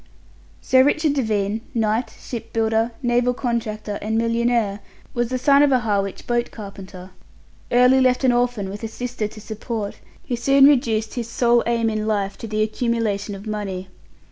Sir Richard Devine, knight, shipbuilder, naval contractor, and millionaire, was the son of a Harwich boat carpenter. Early left an orphan with a sister to support, he soon reduced his sole aim in life to the accumulation of money.